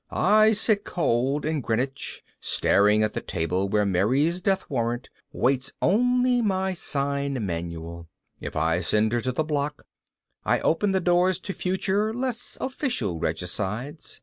I sit cold in Greenwich, staring at the table where Mary's death warrant waits only my sign manual. If I send her to the block, I open the doors to future, less official regicides.